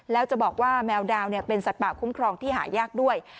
แล้วจะบอกว่าแมวดาวเป็นสัตว์ป่าคุ้มครองที่หายากด้วย